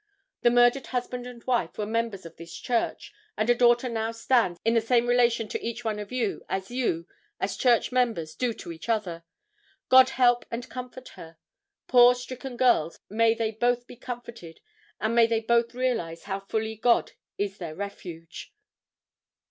The murdered husband and wife were members of this church, and a daughter now stands in the same relation to each one of you, as you, as church members, do to each other. God help and comfort her. Poor stricken girls, may they both be comforted, and may they both realize how fully God is their refuge."